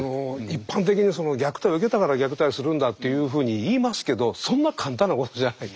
一般的に「虐待を受けたから虐待をするんだ」というふうにいいますけどそんな簡単なことじゃない。